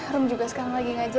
rom juga sekarang lagi ngajar